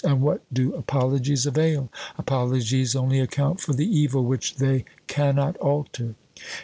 and what do apologies avail? Apologies only account for the evil which they cannot alter!